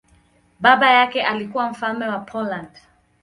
Baba yake alikuwa mfalme wa Poland.